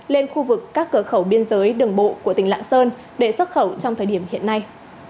lên khu vực các cửa khẩu biên giới đường bộ của tỉnh lạng sơn để xuất khẩu trong thời điểm hiện nay